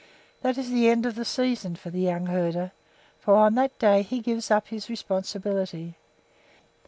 That is the end of the season for the young herder, for on that day he gives up his responsibility.